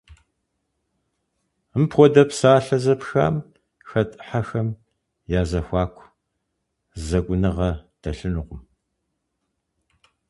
Мыпхуэдэ псалъэ зэпхам хэт ӏыхьэхэм я зэхуаку зэкӏуныгъэ дэлъынукъым.